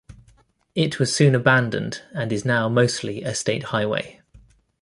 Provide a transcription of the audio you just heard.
It was soon abandoned, and is now mostly a state highway.